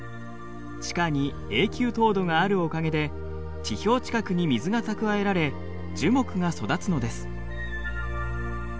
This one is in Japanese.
地下に永久凍土があるおかげで地表近くに水が蓄えられ樹木が育つのです。